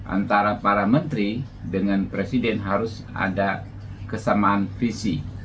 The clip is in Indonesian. antara para menteri dengan presiden harus ada kesamaan visi